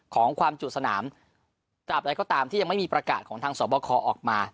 ของความจุสนามตราบใดก็ตามที่ยังไม่มีประกาศของทางสอบคอออกมา